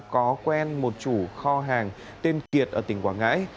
có quen một chủ kho hàng tên kiệt ở tỉnh quảng ngãi